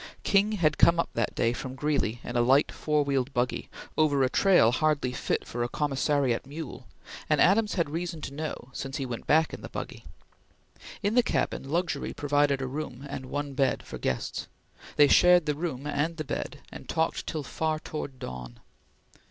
King had come up that day from Greeley in a light four wheeled buggy, over a trail hardly fit for a commissariat mule, as Adams had reason to know since he went back in the buggy. In the cabin, luxury provided a room and one bed for guests. They shared the room and the bed, and talked till far towards dawn.